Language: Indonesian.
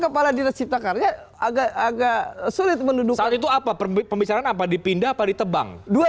kepala diri cipta karya agak agak sulit menunduk itu apa pembicaraan apa dipindah pari tebang dua